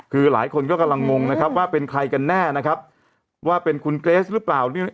คือหลายคนก็กำลังงงนะครับว่าเป็นใครกันแน่นะครับว่าเป็นคุณเกรสหรือเปล่า